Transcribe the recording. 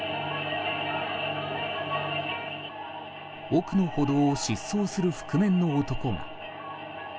奥の歩道を疾走する覆面の男が。